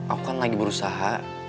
aku kan lagi berusaha